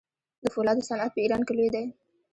د فولادو صنعت په ایران کې لوی دی.